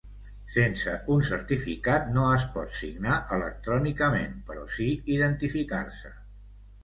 Sense un certificat no es pot signar electrònicament, però sí identificar-se.